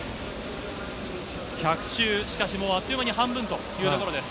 １００周、しかしもうあっという間に半分という感じです。